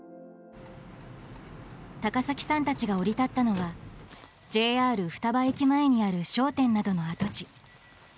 高崎さんが降り立ったのはＪＲ双葉駅前にある商店などの跡地。